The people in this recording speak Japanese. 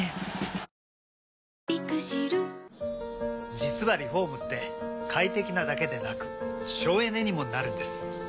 実はリフォームって快適なだけでなく省エネにもなるんです。